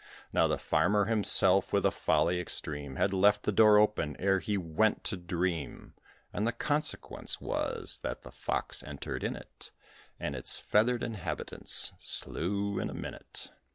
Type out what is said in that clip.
Now the Farmer himself, with a folly extreme, Had left the door open ere he went to dream; And the consequence was, that the Fox entered in it, And its feathered inhabitants slew in a minute.